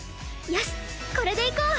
よしこれでいこう！